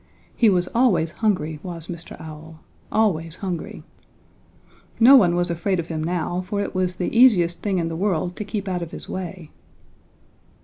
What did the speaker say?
He was always hungry, was Mr. Owl, always hungry. No one was afraid of him now, for it was the easiest thing in the world to keep out of his way.